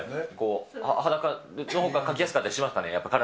裸のほうが描きやすかったりしますかね？